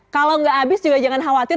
kalau nggak habis juga jangan khawatir